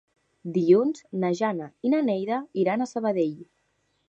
Dilluns na Jana i na Neida iran a Sabadell.